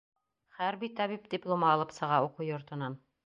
Хәрби табип дипломы алып сыға уҡыу йортонан.